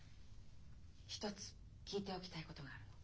一つ聞いておきたいことがあるの。